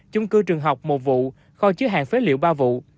chung cư trường học một vụ kho chứa hàng phế liệu ba vụ